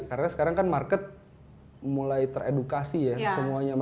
karena sekarang kan market mulai teredukasi ya semuanya